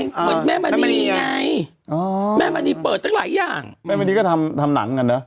เหมือนแม่มณีไงอ๋อแม่มณีเปิดตั้งหลายอย่างแม่มณีก็ทำทำหนังกันเนอะ